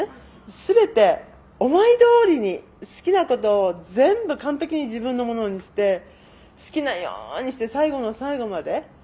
全て思いどおりに好きなことを全部完璧に自分のものにして好きなようにして最後の最後まで。